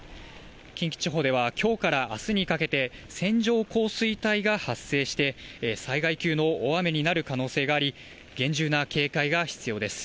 近畿地方ではきょうからあすにかけて線状降水帯が発生して災害級の大雨になる可能性があり、厳重な警戒が必要です。